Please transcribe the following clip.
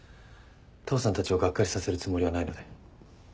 父さんたちをがっかりさせるつもりはないので。